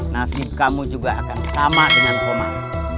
nasib kamu juga akan sama dengan komand